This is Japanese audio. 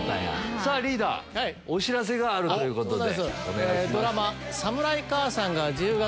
さぁリーダーお知らせがあるということで。